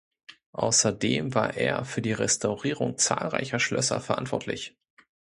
Außerdem war er für die Restaurierung zahlreicher Schlösser verantwortlich.